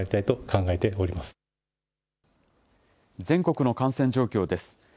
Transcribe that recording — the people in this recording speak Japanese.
全国の感染状況です。